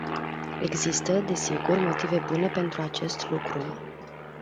Există, desigur, motive bune pentru acest lucru.